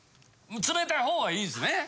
冷たいほうがいいですね。